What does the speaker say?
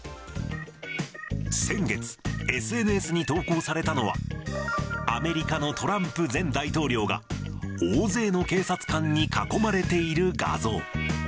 先月、ＳＮＳに投稿されたのは、アメリカのトランプ前大統領が、大勢の警察官に囲まれている画像。